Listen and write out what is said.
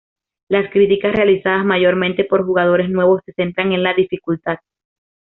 Las críticas realizadas mayormente por jugadores nuevos se centran en la dificultad.